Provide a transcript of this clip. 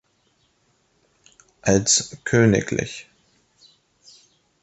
Als „Königl.